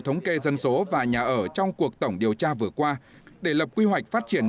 thống kê dân số và nhà ở trong cuộc tổng điều tra vừa qua để lập quy hoạch phát triển